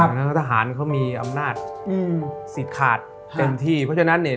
เพราะฉะนั้นทหารเขามีอำนาจอืมสิทธิ์ขาดเต็มที่เพราะฉะนั้นเนี่ย